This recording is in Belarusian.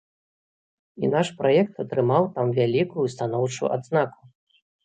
І наш праект атрымаў там вялікую станоўчую адзнаку.